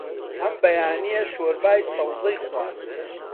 ئەم بەیانییە شۆربای سەوزەی خوارد.